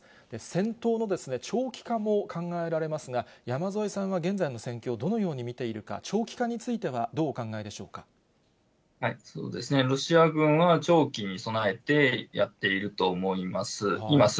戦闘の長期化も考えられますが、山添さんは、現在の戦況をどのように見ているか、長期化についてはどうお考えそうですね、ロシア軍は長期に備えてやっていると思います。